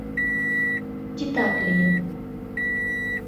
Титак лийын...